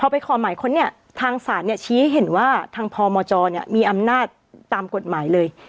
ไปขอหมายค้นเนี่ยทางศาลเนี่ยชี้ให้เห็นว่าทางพมจมีอำนาจตามกฎหมายเลย